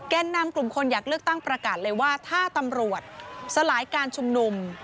นำกลุ่มคนอยากเลือกตั้งประกาศเลยว่าถ้าตำรวจสลายการชุมนุม